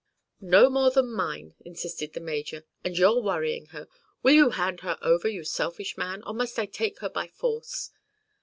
"No more than mine," insisted the major; "and you're worrying her. Will you hand her over, you selfish man, or must I take her by force?"